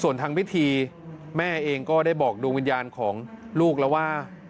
ส่วนทางพิธีแม่เองก็ได้บอกดวงวิญญาณของลูกแล้วว่า